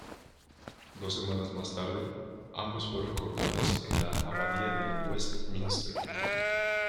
Dos semanas más tarde, ambos fueron coronados en la abadía de Westminster.